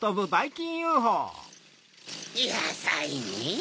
やさいね。